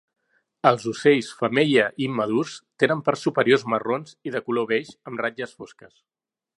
Els ocells femella i immadurs tenen parts superiors marrons i de color beix amb ratlles fosques.